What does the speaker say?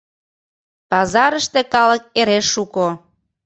Пазарыште калык эре шуко.